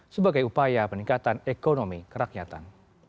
sebagai upaya peningkatan ekonomi kerakyatan